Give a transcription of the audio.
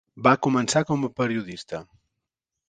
Va començar com a periodista.